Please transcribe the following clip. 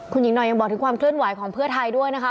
คุณหญิงหน่อยยังบอกถึงความเคลื่อนไหวของเพื่อไทยด้วยนะคะ